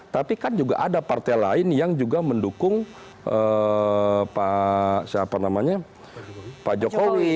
tapi kan juga ada partai lain yang juga mendukung pak jokowi